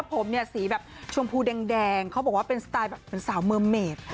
ผมเนี่ยสีแบบชมพูแดงเขาบอกว่าเป็นสไตล์แบบเหมือนสาวเมอร์เมด